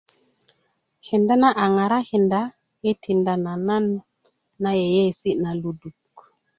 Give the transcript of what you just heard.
kenda na a ŋarakinda i tinda na nan na yeiyesi na luduk